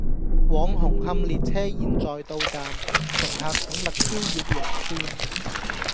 往紅磡列車現在到站，乘客請勿超越黃線